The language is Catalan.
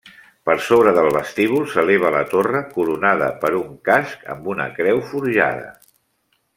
Per sobre del vestíbul s'eleva la torre, coronada per un casc amb una creu forjada.